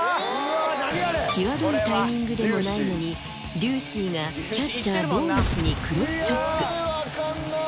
きわどいタイミングでもないのに、デューシーがキャッチャー、坊西にクロスチョップ。